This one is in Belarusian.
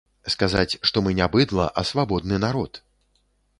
Сказаць, што мы не быдла, а свабодны народ.